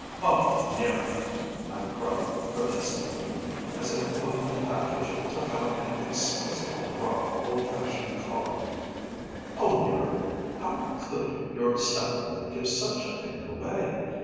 "Oh, 'Niram!" I cried protestingly, as I opened the package and took out an exquisitely wrought old fashioned collar. "Oh, 'Niram! How could your stepmother give such a thing away?